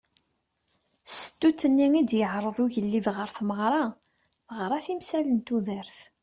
Stut-nni i d-yeɛreḍ ugelliḍ ɣer tmeɣra teɣra timsal n tudert.